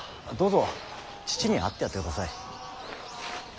どうぞ父に会ってやってください。